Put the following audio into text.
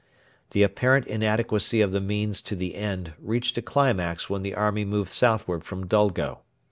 The apparent inadequacy of the means to the end reached a climax when the army moved southward from Dulgo.